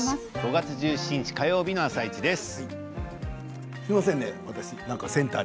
５月１７日火曜日の「あさイチ」です。